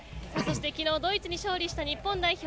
昨日、ドイツに勝利した日本代表